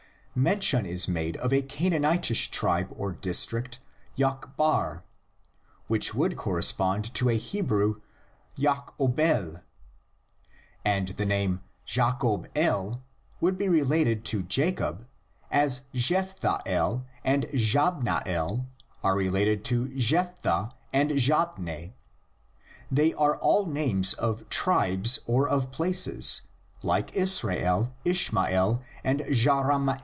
mention is made of a Canaani tish tribe or district J'qb'ar, which would corre spond to a Hebrew Ja"'qob'el (Hebrew 1 = Egyptian r); and the name Jacob el would be related to Jacob as Jephthahel and Jabn^el are related to Jephthah and Jabne: they are all names of tribes or of places, like Israel, Ishmael, and J'rahm'el.